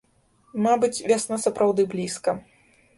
Мабыць, вясна сапраўды блізка.